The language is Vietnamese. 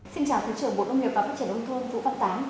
xin chào thứ trưởng bộ nông nghiệp và phát triển nông thôn vũ văn tám